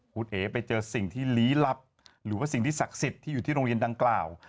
คุณเอ๋ไปเจอสิ่งที่ลี้ลับหรือว่าสิ่งที่ศักดิ์สิทธิ์ที่อยู่ที่โรงเรียนดังกล่าว